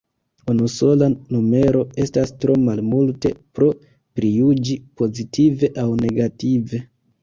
Unusola numero estas tro malmulte por prijuĝi, pozitive aŭ negative.